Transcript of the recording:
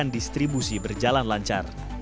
dan memiliki distribusi berjalan lancar